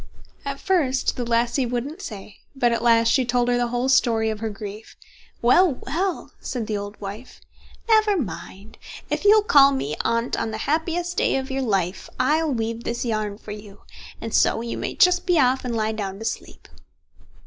At first the lassie wouldn't say, but at last she told her the whole story of her grief. "Well, well!" said the old wife, "never mind. If you'll call me Aunt on the happiest day of your life, I'll weave this yarn for you, and so you may just be off, and lie down to sleep."